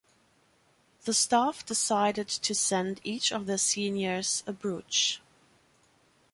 The staff decided to send each of their seniors a brooch.